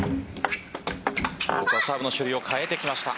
サーブの種類を変えてきました。